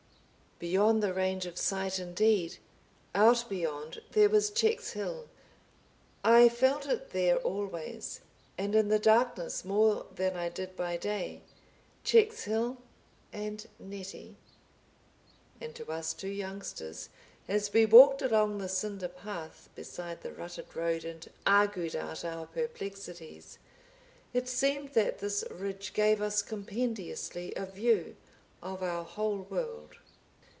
Beyond the range of sight indeed, out beyond, there was Checkshill; I felt it there always, and in the darkness more than I did by day. Checkshill, and Nettie! And to us two youngsters as we walked along the cinder path beside the rutted road and argued out our perplexities, it seemed that this ridge gave us compendiously a view of our whole world.